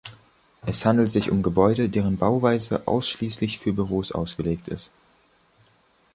Es handelt sich um Gebäude, deren Bauweise ausschließlich für Büros ausgelegt ist.